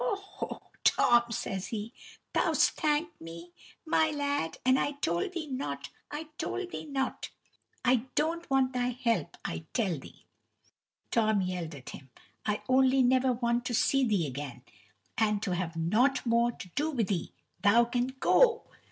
"Ho, ho, Tom!" says he. "Thou 'st thanked me, my lad, and I told thee not, I told thee not!" "I don't want thy help, I tell thee," Tom yelled at him "I only want never to see thee again, and to have nought more to do with 'ee thou can go."